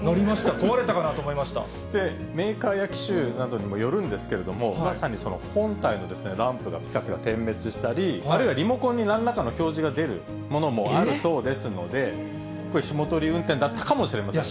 こわれたかなとメーカーや機種などにもよるんですけれども、まさにその本体のランプがぴかぴか点滅したり、リモコンになんらかの表示が出るものもあるそうですので、これ、霜取り運転だったかもしれませんね。